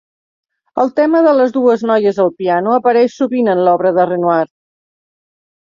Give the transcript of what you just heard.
El tema de les dues noies al piano apareix sovint en l'obra de Renoir.